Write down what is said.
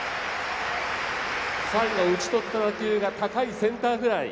最後、打ち取った打球が高いセンターフライ。